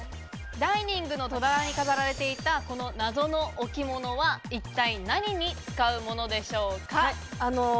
ダイニングの戸棚に飾られていた、この謎の置物は一体何に使うものでしょうか？